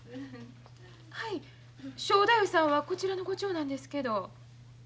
はい正太夫さんはこちらのご長男ですけど。